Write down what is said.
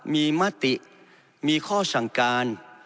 มีมติมีข้อสั่งการ